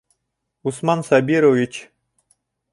Усман Сабирович!